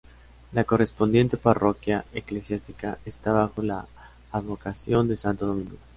La correspondiente parroquia eclesiástica está bajo la advocación de santo Domingo.